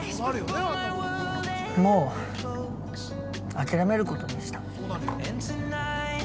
もう、諦めることにした。